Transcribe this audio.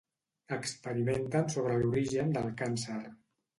Experimenten sobre l'origen del càncer.